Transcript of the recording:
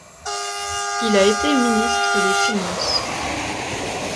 Il a été ministre des Finances.